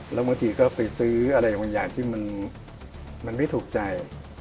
แล้วบางทีก็ไปซื้ออะไรบางอย่างที่มันไม่ถูกใจ